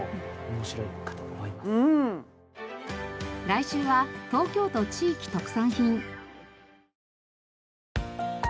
来週は東京都地域特産品。